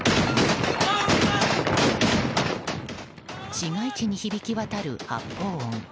市街地に響き渡る発砲音。